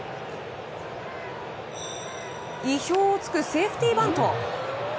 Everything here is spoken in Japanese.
意表を突くセーフティーバント。